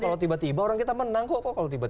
kok kalau tiba tiba orang kita menang kok